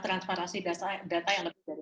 transparansi data yang lebih dari